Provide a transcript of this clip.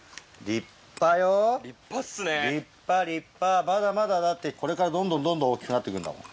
立派立派まだまだだってこれからどんどんどんどん大きくなって行くんだもん。